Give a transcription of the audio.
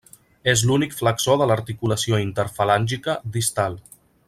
És l'únic flexor de l'articulació interfalàngica distal.